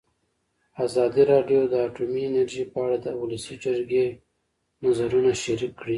ازادي راډیو د اټومي انرژي په اړه د ولسي جرګې نظرونه شریک کړي.